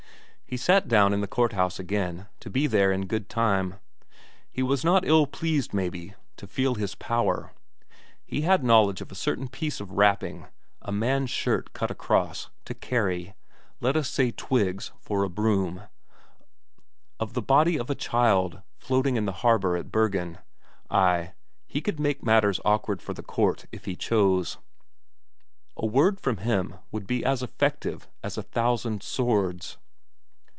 He sat down in the court house again, to be there in good time. He was not ill pleased, maybe, to feel his power; he had knowledge of a certain piece of wrapping, a man's shirt cut across, to carry let us say twigs for a broom; of the body of a child floating in the harbour at Bergen ay, he could make matters awkward for the court if he chose; a word from him would be as effective as a thousand swords.